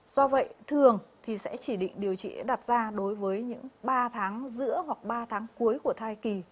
do vậy thường thì sẽ chỉ định điều trị đặt ra đối với những ba tháng giữa hoặc ba tháng cuối của thai kỳ